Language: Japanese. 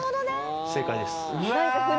正解です。